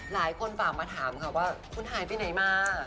หลายคนฝากมาถามค่ะว่าคุณหายไปไหนมา